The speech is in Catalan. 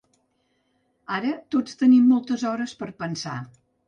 Ara tots tenim moltes hores per a pensar.